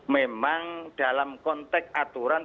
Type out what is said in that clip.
memang dalam konteks aturan